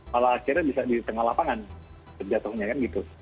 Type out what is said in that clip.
malah akhirnya bisa di tengah lapangan terjatuhnya